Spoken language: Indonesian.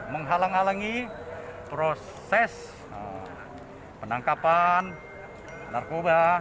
menghalang halangi proses penangkapan narkoba